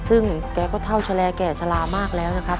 ซึ่งแกก็เท่าแลแก่ชะลามากแล้วนะครับ